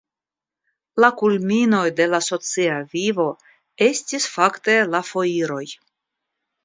La kulminoj de la socia vivo estis fakte la foiroj.